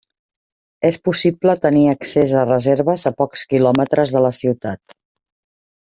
És possible tenir accés a reserves a pocs quilòmetres de la ciutat.